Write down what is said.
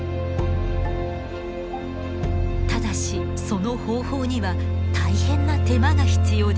ただしその方法には大変な手間が必要です。